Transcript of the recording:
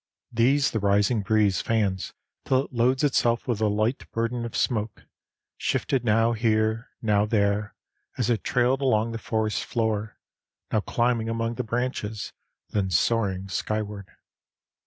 These the rising breeze fans till it loads itself with a light burden of smoke, shifted now here, now there, as it is trailed along the forest floor, now climbing among the branches, then soaring skyward.